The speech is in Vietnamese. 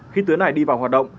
khi tuyến này đi vào hoạt động